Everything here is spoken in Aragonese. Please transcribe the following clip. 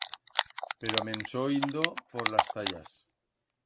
Pero me'n so indo por las tallas.